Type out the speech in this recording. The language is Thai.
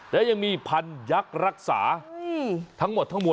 และยังมีพันยักษ์รักษาทั้งหมดทั้งมวล